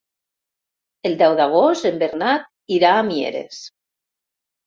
El deu d'agost en Bernat irà a Mieres.